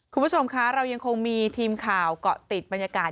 คุณผู้ชมคะเรายังคงมีทีมข่าวเกาะติดบรรยากาศ